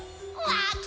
わき！